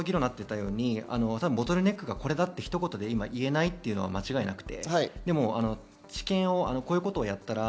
ボトルネックがこれだとひと言で言えないのは間違いなくて。